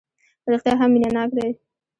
رېښتیا هم مینه ناک دی.